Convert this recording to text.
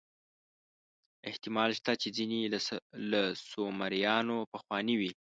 احتمال شته چې ځینې له سومریانو پخواني وي.